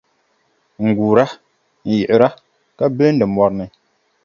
N-guura, n-yiɣira ka bilindi mɔri ni.